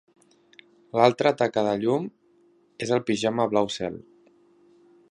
L'altra taca de llum és el pijama blau cel.